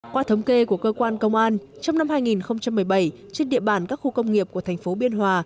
qua thống kê của cơ quan công an trong năm hai nghìn một mươi bảy trên địa bàn các khu công nghiệp của thành phố biên hòa